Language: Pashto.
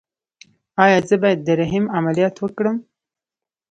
ایا زه باید د رحم عملیات وکړم؟